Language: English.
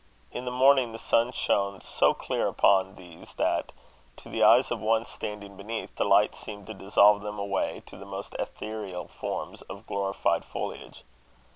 In the morning the sun shone so clear upon these, that, to the eyes of one standing beneath, the light seemed to dissolve them away to the most ethereal forms of glorified foliage.